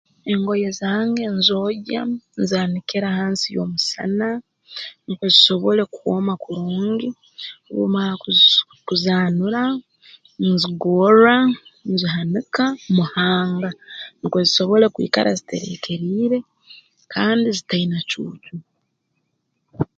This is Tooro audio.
Engoye zange nzoogya nzaanikira hansi y'omusana nukwo zisobole kwoma kurungi obu mmara kuzii kuzaanura nzigorra nzihanika mu hanga nukwo zisobole kwikara zitereekeriire kandi zitaine cuucu